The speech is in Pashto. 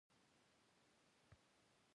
لاندې له زینو سره خادم د مېز تر شا ناست وو.